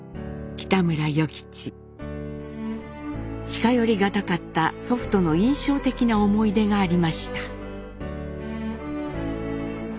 近寄り難かった祖父との印象的な思い出がありました。